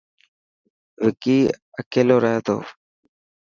وڪي اڪيلو رهي تو.